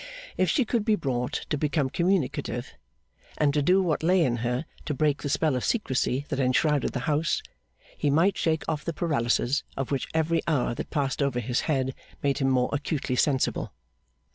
If she could be brought to become communicative, and to do what lay in her to break the spell of secrecy that enshrouded the house, he might shake off the paralysis of which every hour that passed over his head made him more acutely sensible.